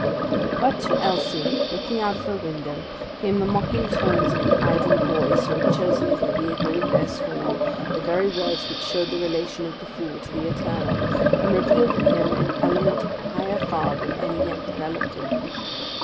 But to Elsie looking out of her window came the mocking tones of the idle boys who had chosen as the vehicle of their scorn the very words which showed the relation of the fool to the eternal, and revealed in him an element higher far than any yet developed in them.